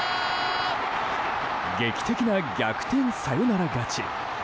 劇的な逆転サヨナラ勝ち。